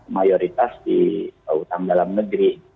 mayoritas di utang dalam negeri